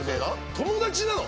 友達なの？